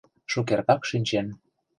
— Шукертак шинчен...